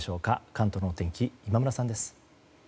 関東の天気、今村さんです。